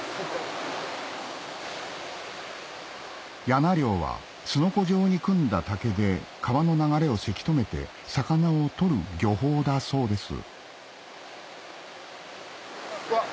やな漁はすのこ状に組んだ竹で川の流れをせき止めて魚を取る漁法だそうですわっ！